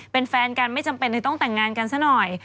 เป็นแฟนกันไม่จำเป็นเลยต้องแต่งงานกันซะหน่อย